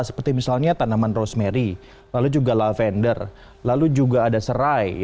seperti misalnya tanaman rosemary lalu juga lavender lalu juga ada serai